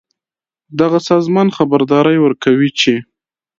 دغه سازمان خبرداری ورکوي چې